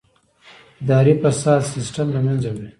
اداري فساد سیستم له منځه وړي.